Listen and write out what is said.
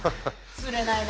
つれないな。